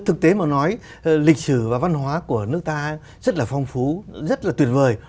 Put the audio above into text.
thực tế mà nói lịch sử và văn hóa của nước ta rất là phong phú rất là tuyệt vời